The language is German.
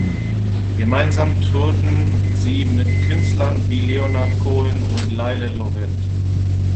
Gemeinsam tourten sie mit Künstlern wie Leonard Cohen und Lyle Lovett.